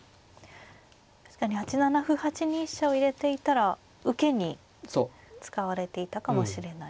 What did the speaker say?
確かに８七歩８二飛車を入れていたら受けに使われていたかもしれない。